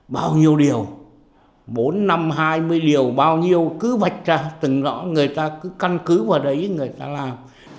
bao nhiêu điều bốn năm hai mươi điều bao nhiêu cứ vạch ra từng rõ người ta cứ căn cứ vào đấy người ta làm